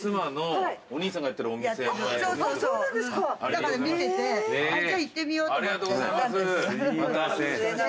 だから見ててじゃあ行ってみようと思って行った。